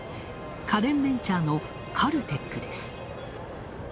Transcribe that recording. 家電ベンチャーのカルテックです。